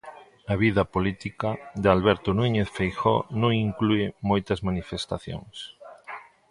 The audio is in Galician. A vida política de Alberto Núñez Feijóo non inclúe moitas manifestacións.